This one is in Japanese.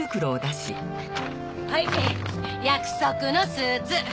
はい約束のスーツ。